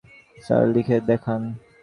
Sir, লিখে দেখান।